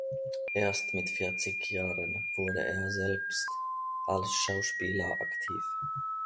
Erst mit vierzig Jahren wurde er selbst als Schauspieler aktiv.